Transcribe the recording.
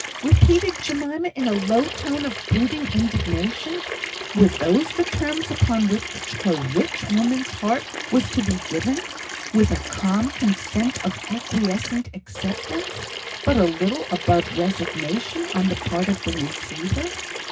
repeated Jemima, in a low tone of brooding indignation; were those the terms upon which her rich woman's heart was to be given, with a calm consent of acquiescent acceptance, but a little above resignation on the part of the receiver?